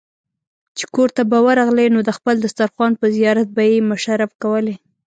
چې کورته به ورغلې نو د خپل دسترخوان په زيارت به يې مشرف کولې.